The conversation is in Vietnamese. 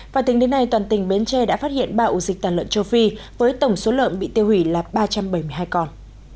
và tính đến nay toàn tỉnh bến tre đã phát hiện ba ổ dịch tà lợn châu phi với tổng số lợn bị tiêu hủy là ba trăm bảy mươi hai con